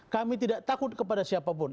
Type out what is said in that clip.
kami tidak takut kepada siapapun